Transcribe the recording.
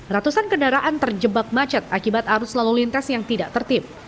ratusan kendaraan terjebak macet akibat arus lalu lintas yang tidak tertib